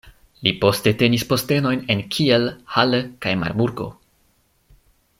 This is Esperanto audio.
Li poste tenis postenojn en Kiel, Halle kaj Marburgo.